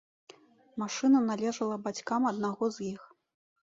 Машына належала бацькам аднаго з іх.